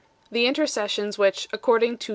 The intercessions which, according to 1 Apol.